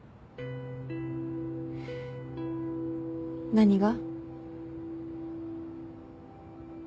何が？